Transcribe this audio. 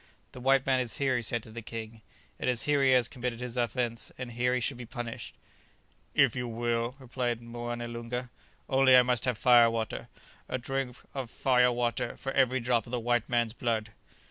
"The white man is here," he said to the king; "it is here he has committed his offence, and here he should be punished." "If you will," replied Moené Loonga; "only I must have fire water; a drop of fire water for every drop of the white man's blood."